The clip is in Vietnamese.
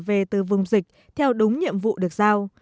về từ vùng dịch theo đúng nhiệm vụ được giao